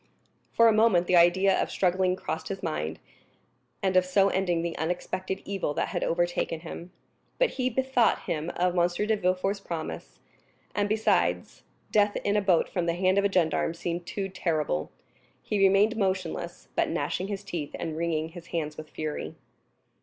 For a moment the idea of struggling crossed his mind, and of so ending the unexpected evil that had overtaken him. But he bethought him of M. de Villefort's promise; and, besides, death in a boat from the hand of a gendarme seemed too terrible. He remained motionless, but gnashing his teeth and wringing his hands with fury.